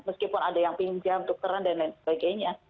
meskipun ada yang pinjam dokteran dan lain sebagainya